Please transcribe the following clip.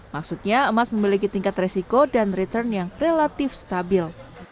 maksudnya emas memiliki tingkat resiko dan return yang relatif stabil